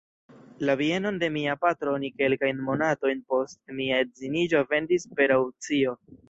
La bienon de mia patro oni kelkajn monatojn post mia edziniĝo vendis per aŭkcio.